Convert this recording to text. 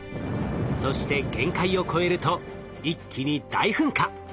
そして限界を超えると一気に大噴火。